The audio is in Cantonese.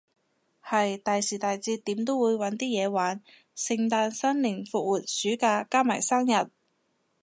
係，大時大節點都會搵啲嘢玩，聖誕新年復活暑假，加埋生日